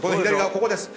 ここです！